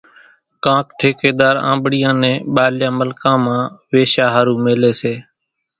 ڪاڪ ٺيڪيۮار آنٻڙيان نين ٻارليان ملڪان مان ويشا ۿارُو ميليَ سي۔